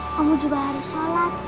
kamu juga harus sholat